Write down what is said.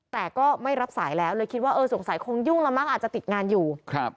แต่ก็ไม่รับสายแล้วเลยคิดว่าเออสงสัยคงยุ่งแล้วมั้งอาจจะติดงานอยู่